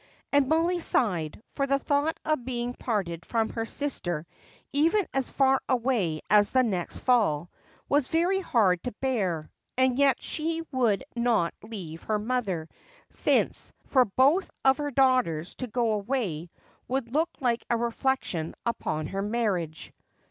And Mollie sighed, for the thought of being parted from her sister even as far away as the next fall, was very hard to bear, and yet she would not leave her mother, since for both of her daughters to go away would look like a reflection upon her marriage.